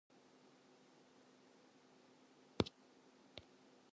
Radiating sprays of needlelike crystals are not uncommon.